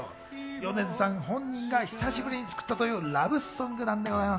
米津さん本人が久しぶりに作ったというラブソングなんです。